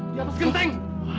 di atas genteng